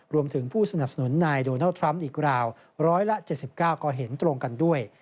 รวมถึงผู้สนับสนุนนายโดนัลดทรัมป์อีกราว๑๗๙ก็เห็นตรงกันด้วย